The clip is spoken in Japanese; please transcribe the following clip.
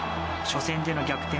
初戦での逆転